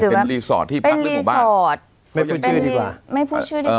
หรือว่าเป็นรีสอร์ทที่เป็นรีสอร์ทไม่พูดชื่อดีกว่าไม่พูดชื่อดีกว่า